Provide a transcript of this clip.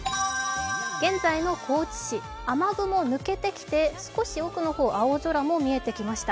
現在の高知市、雨雲、抜けてきて少し奥の方、青空も見えてきました。